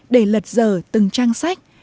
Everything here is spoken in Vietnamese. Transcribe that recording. để lật dở từng trang sách